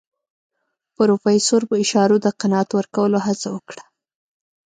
پروفيسر په اشارو د قناعت ورکولو هڅه وکړه.